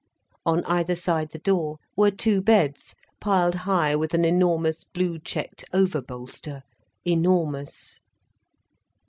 On either side the door were two beds piled high with an enormous blue checked overbolster, enormous.